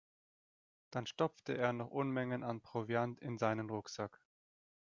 Dann stopfte er noch Unmengen an Proviant in seinen Rucksack.